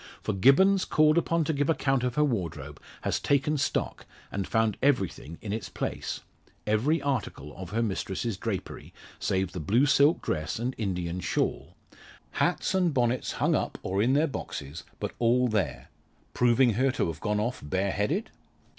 For Gibbons called upon to give account of her wardrobe, has taken stock, and found everything in its place every article of her mistress's drapery save the blue silk dress and Indian shawl hats and bonnets hung up, or in their boxes, but all there, proving her to have gone off bareheaded?